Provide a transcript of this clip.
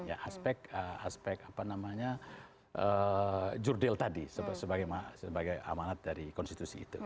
ya aspek apa namanya jurdil tadi sebagai amanat dari konstitusi itu